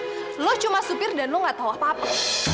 diam ya man lo cuma supir dan lo gak tau apa apa